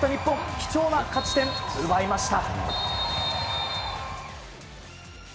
貴重な勝ち点奪いました。